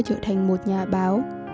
trở thành một nhà báo